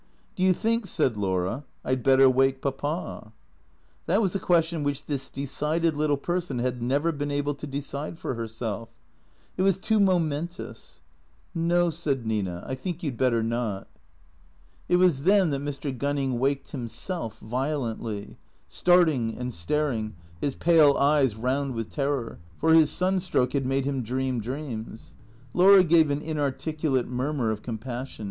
"Do you think," said Laura, "I'd better wake Papa?" That was a question which this decided little person had never been able to decide for herself. It was too momentous. THECREATOES 307 " No," said Nina, " I think you 'd better not." It was then that Mr. Gunning waked himself, violently; starting and staring, his pale eyes round with terror; for his sunstroke had made him dream dreams. Laura gave an inarticulate murmur of compassion.